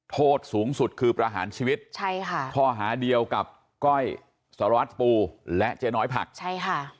โทษสูงสุดคือประหารชีวิตใช่ค่ะข้อหาเดียวกับก้อยสารวัตรปูและเจ๊น้อยผักใช่ค่ะ